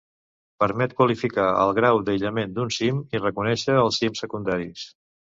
Permet quantificar el grau d'aïllament d'un cim i reconèixer els cims secundaris.